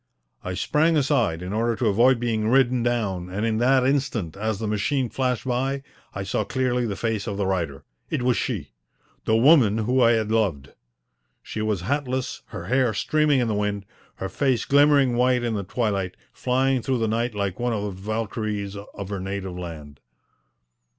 I sprang aside in order to avoid being ridden down, and in that instant, as the machine flashed by, I saw clearly the face of the rider. It was she the woman whom I had loved. She was hatless, her hair streaming in the wind, her face glimmering white in the twilight, flying through the night like one of the Valkyries of her native land.